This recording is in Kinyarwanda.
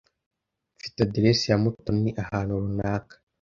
Mfite adresse ya Mutoni ahantu runaka.